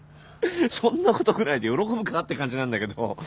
そんなことぐらいで喜ぶかって感じなんだけど。